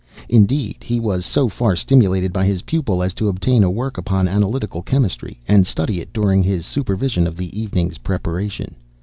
Indeed, he was so far stimulated by his pupil as to obtain a work upon analytical chemistry, and study it during his supervision of the evening's preparation.